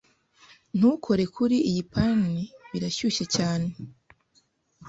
Ntukore kuri iyo pani! Birashyushye cyane.